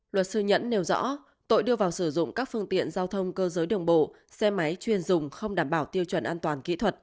luật sư nhẫn nêu rõ tội đưa vào sử dụng các phương tiện giao thông cơ giới đường bộ xe máy chuyên dùng không đảm bảo tiêu chuẩn an toàn kỹ thuật